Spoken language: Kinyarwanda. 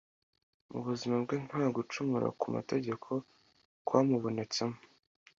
Mu buzima bwe nta gucumura ku mategeko kwamubonetsemo.